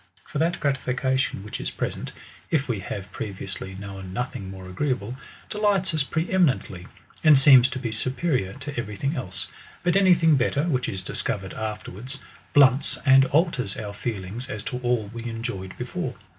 For that gratification which is present, if we have pre viously known nothing more agreeable, delights us pre emi nently, and seems to be superior to every thing else; but any thing better, which is discovered afterwards, blunts and alters our feelings as to all we enjoyed before.